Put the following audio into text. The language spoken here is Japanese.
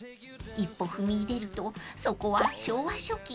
［一歩踏み入れるとそこは昭和初期］